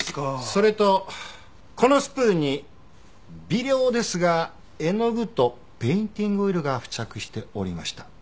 それとこのスプーンに微量ですが絵の具とペインティングオイルが付着しておりました。